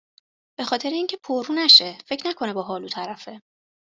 به خاطر اینکه پررو نشه، فکر نکنه با هالو طرفه